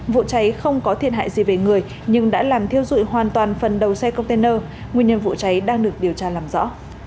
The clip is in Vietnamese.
vụ cháy không có thiệt hại gì về người nhưng đã làm thiêu dụi hoàn toàn phần đầu xe container nguyên nhân vụ cháy đang được điều tra làm rõ